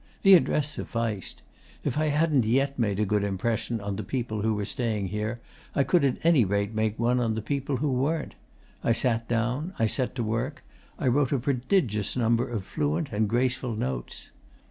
The address sufficed. If I hadn't yet made a good impression on the people who were staying here, I could at any rate make one on the people who weren't. I sat down. I set to work. I wrote a prodigious number of fluent and graceful notes.